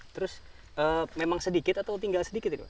terus memang sedikit atau tinggal sedikit itu